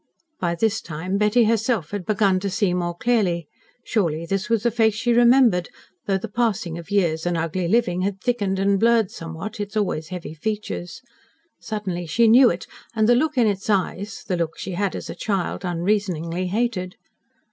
By this time Betty herself had begun to see more clearly. Surely this was a face she remembered though the passing of years and ugly living had thickened and blurred, somewhat, its always heavy features. Suddenly she knew it, and the look in its eyes the look she had, as a child, unreasoningly hated.